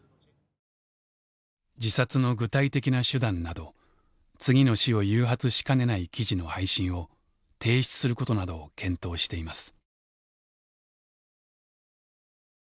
自殺の具体的な手段など次の死を誘発しかねない記事の配信を停止することなどを検討しています。